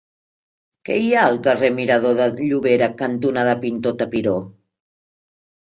Què hi ha al carrer Mirador de Llobera cantonada Pintor Tapiró?